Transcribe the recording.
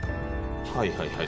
はいはいはい。